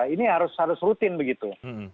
ini harus rutin begitu